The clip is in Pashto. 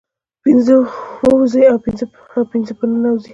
پنځه ووزي او پنځه په ننوزي